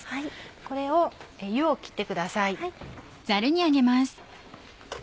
これを湯を切ってください。